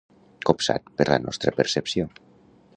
Copsat per la nostra percepció.